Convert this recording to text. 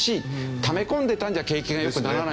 ため込んでいたんじゃ景気が良くならないので。